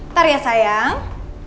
ntar ya sayang